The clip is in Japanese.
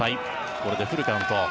これでフルカウント。